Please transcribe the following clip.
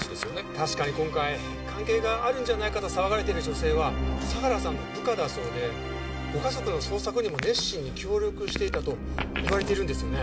確かに今回関係があるんじゃないかと騒がれている女性は相良さんの部下だそうでご家族の捜索にも熱心に協力していたといわれているんですよね。